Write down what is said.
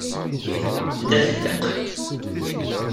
D afelleq!